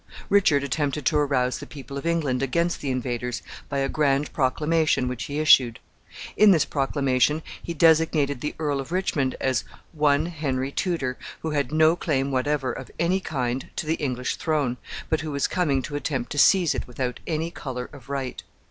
Richard attempted to arouse the people of England against the invaders by a grand proclamation which he issued. In this proclamation he designated the Earl of Richmond as "one Henry Tudor," who had no claim whatever, of any kind, to the English throne, but who was coming to attempt to seize it without any color of right.